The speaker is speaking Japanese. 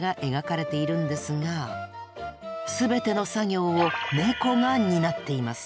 全ての作業をネコが担っています。